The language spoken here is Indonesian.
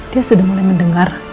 dia sudah mulai mendengar